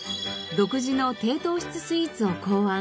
独自の低糖質スイーツを考案。